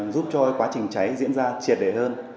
giúp cho quá trình cháy diễn ra triệt đẻ hơn